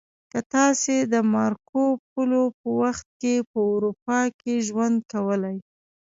که تاسې د مارکو پولو په وخت کې په اروپا کې ژوند کولی